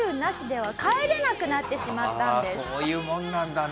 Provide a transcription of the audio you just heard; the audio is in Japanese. ああそういうもんなんだな。